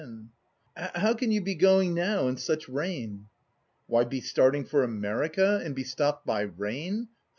"How can you... how can you be going now, in such rain?" "Why, be starting for America, and be stopped by rain!